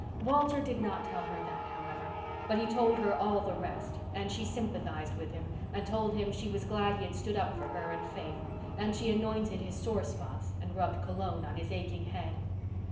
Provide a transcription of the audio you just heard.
Walter did not tell her that, however; but he told her all the rest, and she sympathized with him and told him she was glad he had stood up for her and Faith, and she anointed his sore spots and rubbed cologne on his aching head.